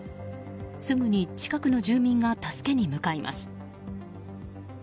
すぐに近くの住民が助けに向かいます。